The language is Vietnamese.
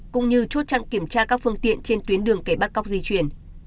cũng như chốt chặn kiểm tra các phương tiện trên tuyến đường kẻ bắt cóc di chuyển